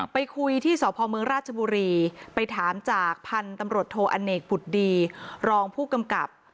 ไปคุยที่สพเมืองราชบุรีไปถามจากพันธุ์ตำรวจโทอเนกบุตรดีรองผู้กำกับ